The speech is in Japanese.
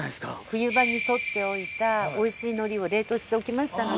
冬場に採っておいたおいしいのりを冷凍しておきましたので。